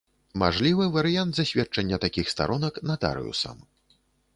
Мажлівы варыянт засведчання такіх старонак натарыусам.